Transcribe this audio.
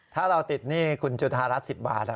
ถ้าเราติดหนี้คุณจุธารัฐ๑๐บาท